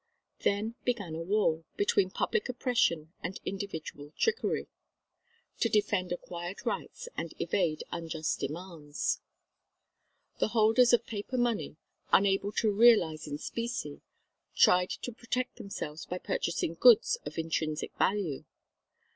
Then began a war, between public oppression and individual trickery, to defend acquired rights and evade unjust demands. The holders of paper money, unable to realise in specie, tried to protect themselves by purchasing goods of intrinsic value.